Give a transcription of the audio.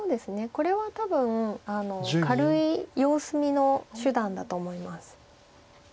これは多分軽い様子見の手段だと思います。